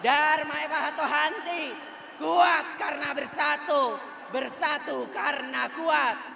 darma e fahato hanti kuat karena bersatu bersatu karena kuat